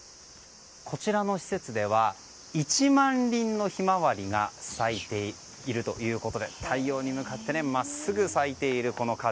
こちらの施設では１万輪のヒマワリが咲いているということで太陽に向かって真っすぐに咲いているこの数。